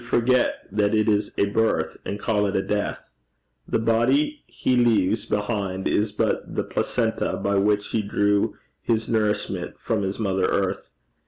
We forget that it is a birth, and call it a death. The body he leaves behind is but the placenta by which he drew his nourishment from his mother Earth.